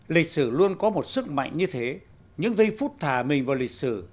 lịch sử luôn có một sức mạnh như thế những giây phút thả mình vào lịch sử